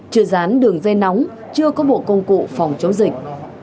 chưa dán đường dây nóng chưa có bộ công cụ phòng chống dịch